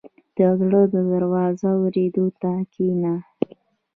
• د زړه د درزا اورېدو ته کښېنه.